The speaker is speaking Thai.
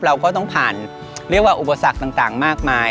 เราก็ต้องผ่านเรียกว่าอุปสรรคต่างมากมาย